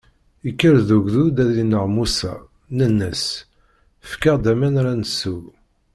Ikker-d ugdud ad innaɣ Musa, nnan-as: Fket-aɣ-d aman ara nsew.